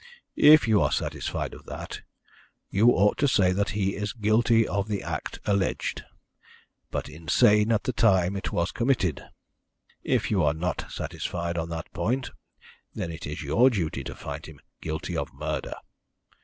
If you are satisfied of that, you ought to say that he is guilty of the act alleged, but insane at the time it was committed. If you are not satisfied on that point, then it is your duty to find him guilty of murder.